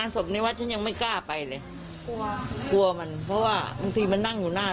อักษณีย์คุณแม่กลัวจริงนะนี่